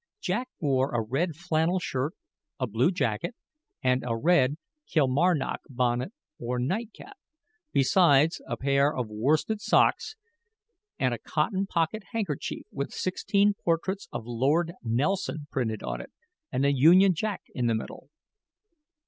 Jack wore a red flannel shirt, a blue jacket, and a red Kilmarnock bonnet or nightcap, besides a pair of worsted socks, and a cotton pocket handkerchief with sixteen portraits of Lord Nelson printed on it and a union jack in the middle.